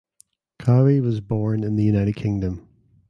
Cowie was born in the United Kingdom.